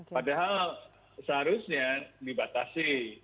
padahal seharusnya dibatasi